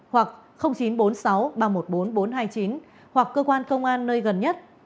hoặc chín trăm bốn mươi sáu ba trăm một mươi bốn bốn trăm hai mươi chín hoặc cơ quan công an nơi gần nhất